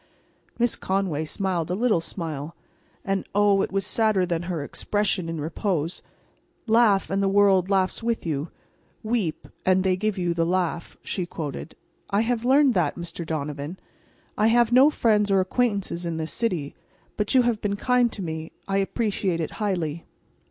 Miss Conway smiled a little smile. And oh, it was sadder than her expression in repose. "'Laugh, and the world laughs with you; weep, and they give you the laugh,'" she quoted. "I have learned that, Mr. Donovan. I have no friends or acquaintances in this city. But you have been kind to me. I appreciate it highly."